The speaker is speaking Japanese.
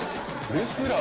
レスラー。